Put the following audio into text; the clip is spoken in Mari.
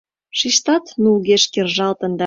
Шиштат нулгеш кержалтын да